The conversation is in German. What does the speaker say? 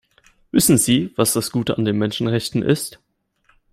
Wissen Sie, was das Gute an den Menschenrechten ist?